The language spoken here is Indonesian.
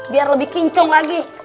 biar lebih kincung lagi